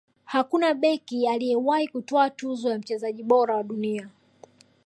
hakuna beki aliyewahi kutwaa tuzo ya mchezaji bora wa dunia